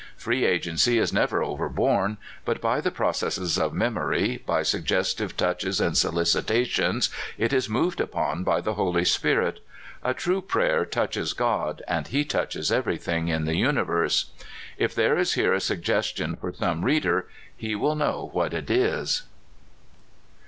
Free agency is never overborne; but by the processes of memory, by suggestive touches and solicitations, it is moved upon by the Holy Spirit. A true prayer touches God, and he touches everything in the universe. If there is here a suggestion for some reader, he w^ill know what it is.